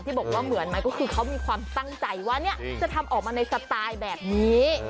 บอกว่าเหมือนไหมก็คือเขามีความตั้งใจว่าเนี่ยจะทำออกมาในสไตล์แบบนี้